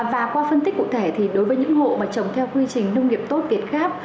và qua phân tích cụ thể thì đối với những hộ mà trồng theo quy trình nông nghiệp tốt việt gáp